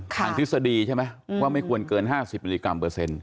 ทฤษฎีใช่ไหมว่าไม่ควรเกิน๕๐มิลลิกรัมเปอร์เซ็นต